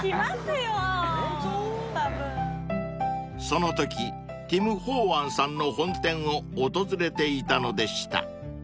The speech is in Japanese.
［そのとき添好運さんの本店を訪れていたのでした］